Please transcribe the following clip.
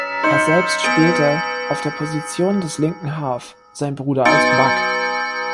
Er selbst spielte auf der Position des linken Half, sein Bruder als Back.